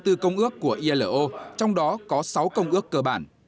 từ công ước của ilo trong đó có sáu công ước cơ bản